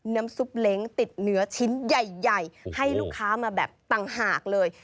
น้ำซุปเล้งติดเนื้อชิ้นใหญ่ให้ลูกค้ามาแบบต่างหากเลย